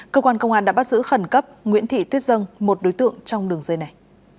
cơ quan công an đã bắt giữ khẩn cấp nguyễn thị tuyết dân một đối tượng trong đường dây này